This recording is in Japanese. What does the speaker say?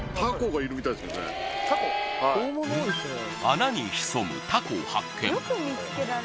はい穴に潜むタコを発見